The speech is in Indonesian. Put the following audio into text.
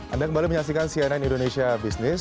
anda kembali menyaksikan cnn indonesia business